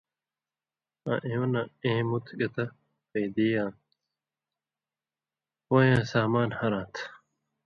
آں اېوں نہ اېں (مُت گتہ) فَیدی آں پویں یاں سامان ہراں تھہ؛